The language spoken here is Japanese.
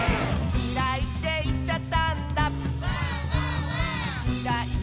「きらいっていっちゃったんだ」